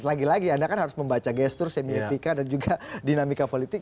lagi lagi anda kan harus membaca gestur semiotika dan juga dinamika politik